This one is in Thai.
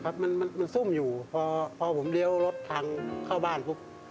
ครับมันมันซุ่มอยู่พอผมเลี้ยวรถทางเข้าบ้านปุ๊บ